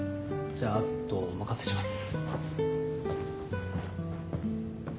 じゃあ後お任せします。